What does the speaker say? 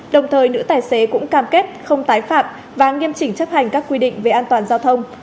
đồng thời nữ tài xế cũng cam kết không tái phạm và nghiêm chỉnh chấp hành các quy định về an toàn giao thông